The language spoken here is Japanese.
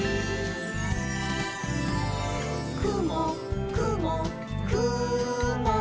「くもくもくも」